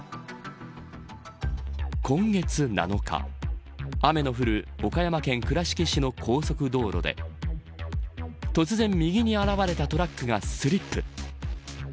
今月７日雨の降る岡山県倉敷市の高速道路で突然、右に現れたトラックがスリップ。